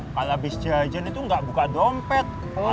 kalau abis jajan itu enggak buka dompet